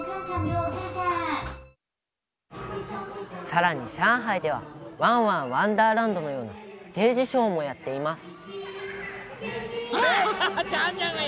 さらに上海では「ワンワンわんだーらんど」のようなステージショーもやっています。